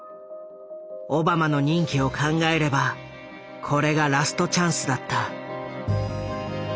オバマの任期を考えればこれがラストチャンスだった。